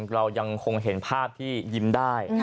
เรายังคงเห็นภาพที่ยิ้มได้